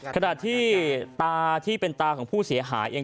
ขณะที่ตาที่เป็นตาของผู้เสียหายเอง